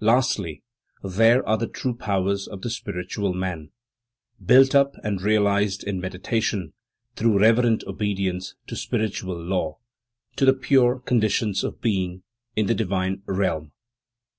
Lastly, there are the true powers of the spiritual man, built up and realized in Meditation, through reverent obedience to spiritual law, to the pure conditions of being, in the divine realm.